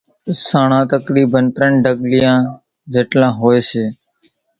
سانڻان تقريبن ترڃ ڍڳليان زيٽلان ھوئي سي۔